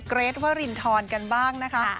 เกรทวรินทรกันบ้างนะคะ